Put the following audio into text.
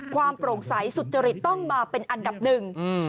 โปร่งใสสุจริตต้องมาเป็นอันดับหนึ่ง